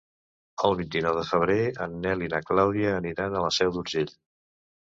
El vint-i-nou de febrer en Nel i na Clàudia aniran a la Seu d'Urgell.